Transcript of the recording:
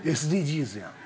ＳＤＧｓやん。